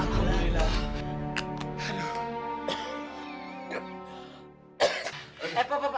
jangan bangun dulu pak